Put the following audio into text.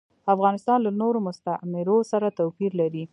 افغانستان له نورو مستعمرو سره توپیر لري.